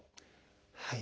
はい。